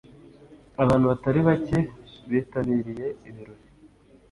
Abantu batari bake bitabiriye ibirori